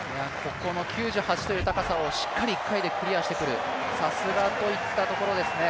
ここも９８という高さをしっかり１回でクリアしてくるさすがといったところですね。